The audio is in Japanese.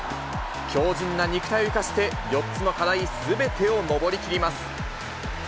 強じんな肉体を生かして、４つの課題すべてを登り切ります。